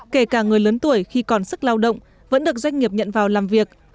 kể cả người lớn tuổi khi còn sức lao động vẫn được doanh nghiệp nhận vào làm việc